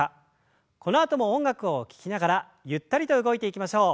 このあとも音楽を聞きながらゆったりと動いていきましょう。